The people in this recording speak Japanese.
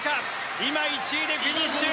今、１位でフィニッシュ。